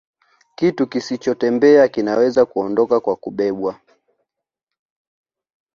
Kitu kisichotembea kinaweza kuondoka kwa kubebwa